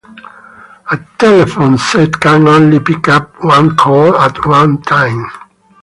A telephone set can only pick up one call at one time.